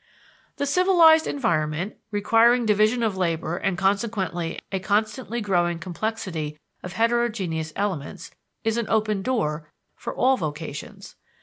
The civilized environment, requiring division of labor and consequently a constantly growing complexity of heterogeneous elements, is an open door for all vocations.